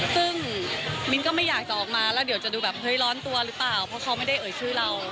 ซึ่งมิ้นก็ไม่อยากจะออกมาแล้วเดี๋ยวจะดูแบบเฮ้ยร้อนตัวหรือเปล่าเพราะเขาไม่ได้เอ่ยชื่อเรา